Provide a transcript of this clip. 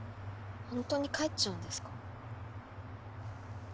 ほんとに帰っちゃうんですか？